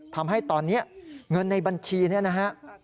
ทำให้ตอนนี้เงินในบัญชีเนี่ยนะฮะ